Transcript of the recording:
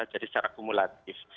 jadi secara kumulatif